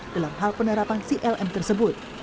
dalam hal penerapan clm tersebut